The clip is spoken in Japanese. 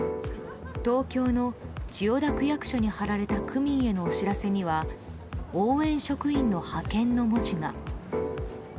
東京の千代田区役所に貼られた区民へのお知らせには応援職員の派遣の文字が。